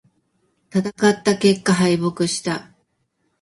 戦った結果、敗北した。